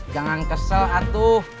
jangan kesel atu